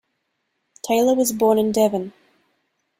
Taylor was born in Devon.